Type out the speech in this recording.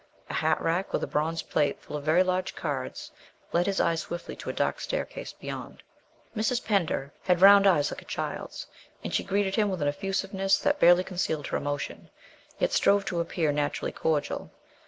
A hat rack, with a bronze plate full of very large cards, led his eye swiftly to a dark staircase beyond. Mrs. Pender had round eyes like a child's, and she greeted him with an effusiveness that barely concealed her emotion, yet strove to appear naturally cordial.